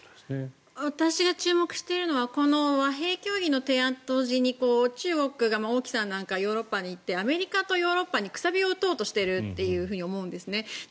私が注目しているのは和平協議の提案と同時に中国が、王毅さんなんかはヨーロッパに行ってアメリカとヨーロッパに楔を打とうとしていると思うんですね。